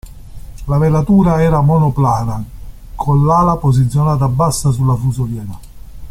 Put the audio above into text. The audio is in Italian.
La velatura era monoplana, con l'ala posizionata bassa sulla fusoliera.